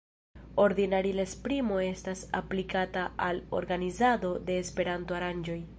Ordinare la esprimo estas aplikata al organizado de Esperanto-aranĝoj.